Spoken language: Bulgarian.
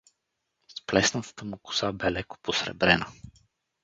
Сплеснатата му коса бе леко посребрена.